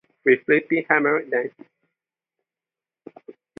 We flipping hammered them.